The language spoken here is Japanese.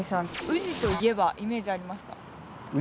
宇治といえばイメージありますか？